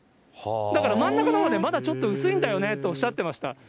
だから真ん中のほうはまだちょっと薄いんだよねっておっしゃってました。